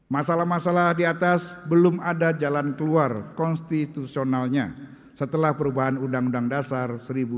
masalah masalah di atas belum ada jalan keluar konstitusionalnya setelah perubahan undang undang dasar seribu sembilan ratus empat puluh lima